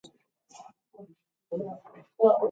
This area became the census-designated place of the same name.